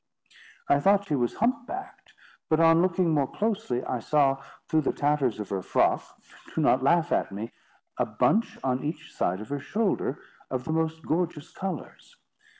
I thought she was hump backed; but on looking more closely, I saw, through the tatters of her frock—do not laugh at me—a bunch on each shoulder, of the most gorgeous colours.